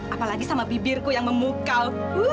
apalagi sama bibirku yang memukau